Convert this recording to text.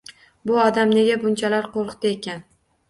Bu odam nega bunchalar qo`rqdi ekan